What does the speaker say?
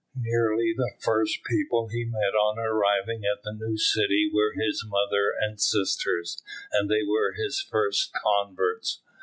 Nearly the first people he met on arriving at the new city were his mother and sisters, and they were his first converts.